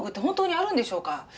本当にあるんでしょうか。